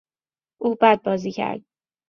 او بد بازی کرد.